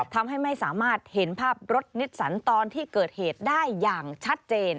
ทำให้ไม่สามารถเห็นภาพรถนิสสันตอนที่เกิดเหตุได้อย่างชัดเจน